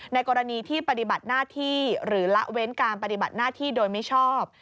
กรณีที่ปฏิบัติหน้าที่หรือละเว้นการปฏิบัติหน้าที่โดยมิชอบ